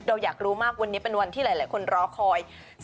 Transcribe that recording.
เราอยากรู้มากวันนี้เป็นวันที่หลายคนรอคอย